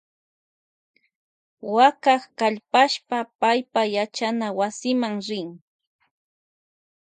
Wawak kalpashpa paypa yachanawasima rin.